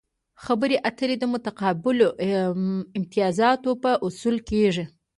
خبرې اترې د متقابلو امتیازاتو په اصولو کیږي